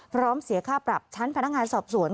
เสียค่าปรับชั้นพนักงานสอบสวน